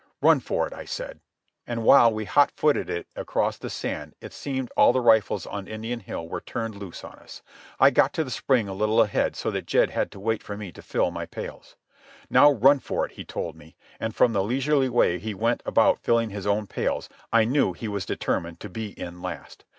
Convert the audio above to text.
"Run for it," I said. And while we hotfooted it across the sand it seemed all the rifles on Indian hill were turned loose on us. I got to the spring a little ahead, so that Jed had to wait for me to fill my pails. "Now run for it," he told me; and from the leisurely way he went about filling his own pails I knew he was determined to be in last.